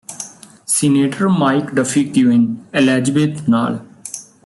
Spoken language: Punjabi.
senator Mike Duffy queen Elizabeth ਨਾਲ